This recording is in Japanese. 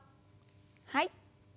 はい。